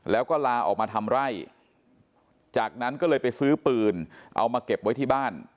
แล้วก็ลาออกมาทำไร่จากนั้นก็เลยไปซื้อปืนเอามาเก็บไว้ที่บ้าน